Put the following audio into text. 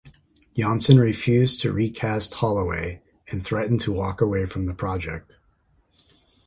Janssen refused to recast Holloway and threatened to walk away from the project.